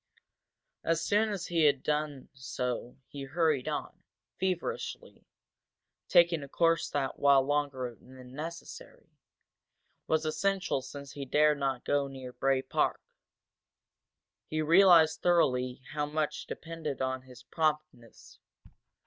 As soon as he had done so he hurried on, feverishly, taking a course that, while longer than necessary, was essential since he dared not go near Bray Park. He realized thoroughly how much depended on his promptness.